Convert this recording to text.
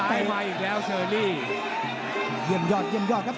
ตามต่อยกที่๓ครับ